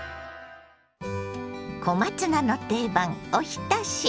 小松菜の定番おひたし。